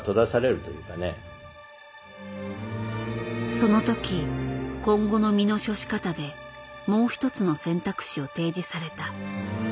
その時今後の身の処し方でもう一つの選択肢を提示された。